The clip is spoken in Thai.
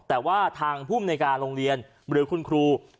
แต่ว่าทางภูมิในการโรงเรียนหรือคุณครู